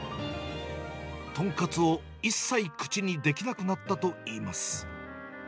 豚カツを一切口にできなくなったといいます。